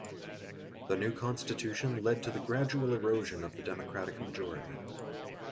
The new constitution led to the gradual erosion of the Democratic majority.